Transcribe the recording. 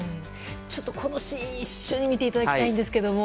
ちょっと、このシーン一緒に見ていただきたいんですけども。